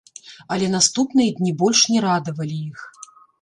Але наступныя дні больш не радавалі іх.